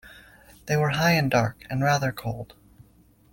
They were high and dark, and rather cold.